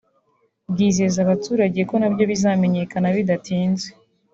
bwizeza abaturage ko nabyo bizamenyekana bidatinze